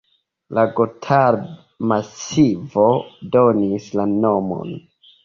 La Gothard-masivo donis la nomon.